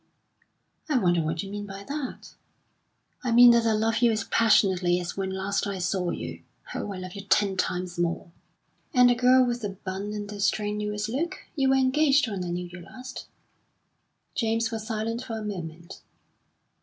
"I wonder what you mean by that?" "I mean that I love you as passionately as when last I saw you. Oh, I love you ten times more!" "And the girl with the bun and the strenuous look? You were engaged when I knew you last." James was silent for a moment.